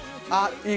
いい！